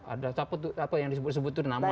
ada caput apa yang disebut sebut itu nama